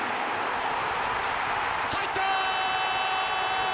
入ったー！